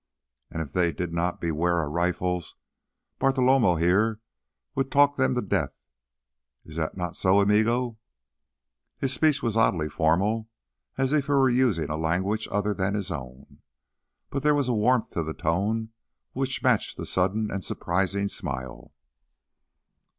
"And if they did not beware our rifles, Bartolomé here would talk them to death! Is that not so, amigo?" His speech was oddly formal, as if he were using a language other than his own, but there was a warmth to the tone which matched that sudden and surprising smile.